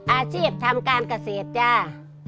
อาชีพทำการเกษตรจ้า